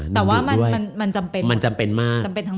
แต่ว่ามันจำเป็นมาก